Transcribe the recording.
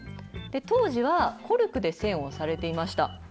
当時はコルクで栓をされていました。